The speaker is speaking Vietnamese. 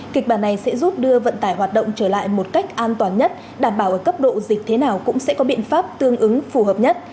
kịch bản này sẽ giúp đưa vận tải hoạt động trở lại một cách an toàn nhất đảm bảo ở cấp độ dịch thế nào cũng sẽ có biện pháp tương ứng phù hợp nhất